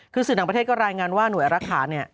คือสื่อต่างประเทศก็รายงานว่าหน่วยรักษาเนี่ย